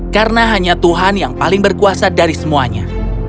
karena hanya tuhan yang paling berkuasa dari semuanya